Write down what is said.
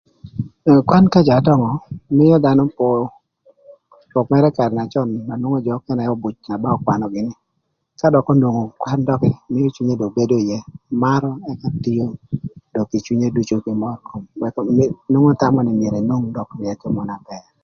Kwan ka jö adöngö mïö dhanö po rwök mërë karë na cön na nwongo jö ökënë öbüc na ba ökwanö gïnï, ka dökï onwongo kwan dökï mïö cwinye do bedo ïë marö ëka tio dök kï cwinye ducu kï mör kom nwongo thamö nï myero enwong ryëkö mana bër.